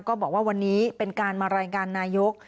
ก็บอกว่าวันนี้เป็นการมารายงานนายก